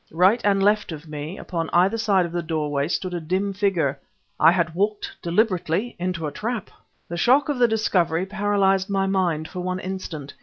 Right and left of me, upon either side of the doorway, stood a dim figure: I had walked deliberately into a trap! The shock of the discovery paralyzed my mind for one instant.